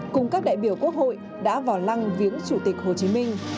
cùng các đại biểu quốc hội đã vào lăng viếng chủ tịch hồ chí minh